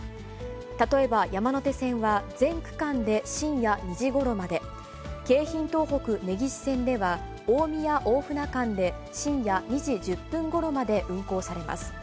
例えば山手線は全区間で深夜２時ごろまで、京浜東北・根岸線では、大宮・大船間で深夜２時１０分ごろまで運行されます。